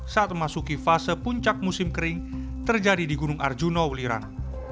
saat memasuki fase puncak musim kering terjadi di gunung arjuna ulirang